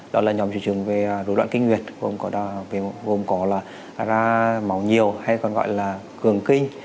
đó là nhóm triệu chứng về rủi đoạn kinh nguyệt gồm có là ra máu nhiều hay còn gọi là cường kinh